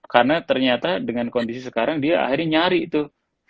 karena ternyata dengan kondisi sekarang dia akhirnya nyari tuh